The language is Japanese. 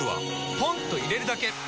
ポンと入れるだけ！